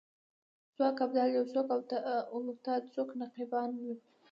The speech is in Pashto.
څوک ابدال یو څوک اوتاد څوک نقیبان یو